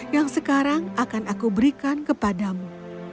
yang sekarang akan aku berikan kepadamu